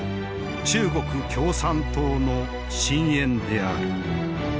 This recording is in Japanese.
中国共産党の深えんである。